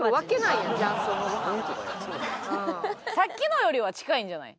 さっきのよりは近いんじゃない？